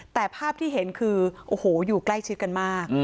แต่ภาพที่เห็นคือโอ้โหอยู่ใกล้ชิดกันมาก